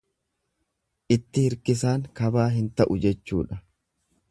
Itti hirkisaan kabaa hin ta'u jechuudha.